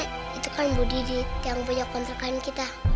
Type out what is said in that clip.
nek itu kan bu didit yang punya kontrak kain kita